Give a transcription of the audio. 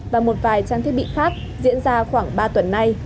và một vài trang thiết bị khác diễn ra khoảng ba tuần nay